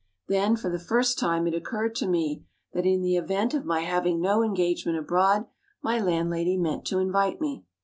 Then, for the first time it occurred to me that, in the event of my having no engagement abroad, my landlady meant to invite me!